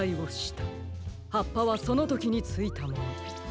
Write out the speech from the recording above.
はっぱはそのときについたもの。